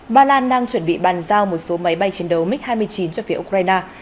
ba lan đang chuẩn bị bàn giao một số máy bay chiến đấu mig hai mươi chín cho phía ukraine